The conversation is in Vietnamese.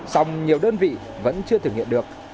song nhiều đơn vị vẫn chưa thử nghiệm được